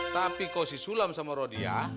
tapi kau si sulam sama rodiah